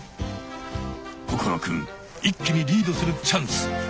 心くん一気にリードするチャンス！